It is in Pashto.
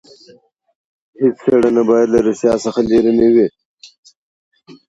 هیڅ څېړنه باید له رښتیا څخه لیرې نه وي.